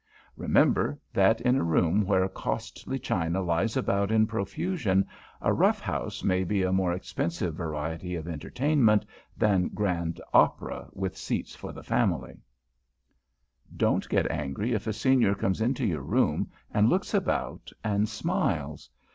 Remember, that in a room where costly china lies about in profusion, a "rough house" may be a more expensive variety of entertainment than Grand Opera with seats for the family. [Sidenote: ABOUT DECORATIONS] Don't get angry if a Senior comes into your room and looks about and smiles.